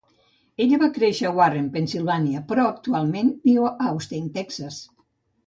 Ella va créixer a Warren, Pensilvània, però actualment viu a Austin, Texas.